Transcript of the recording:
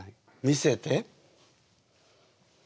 見せて。